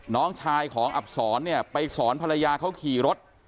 น้องชายของอับศรเนี่ยไปสอนภรรยาเขาขี่รถ